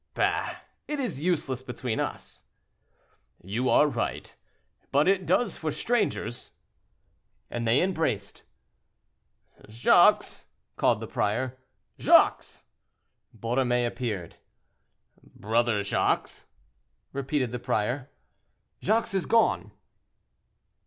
"Bah! it is useless between us." "You are right; but it does for strangers," and they embraced. "Jacques!" called the prior, "Jacques!" Borromée appeared. "Brother Jacques," repeated the prior. "Jacques is gone."